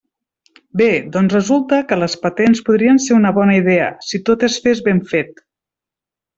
Bé, doncs resulta que les patents podrien ser una bona idea, si tot es fes ben fet.